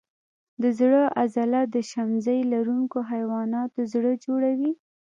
د زړه عضله د شمزۍ لرونکو حیواناتو زړه جوړوي.